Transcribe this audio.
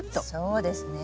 そうですね。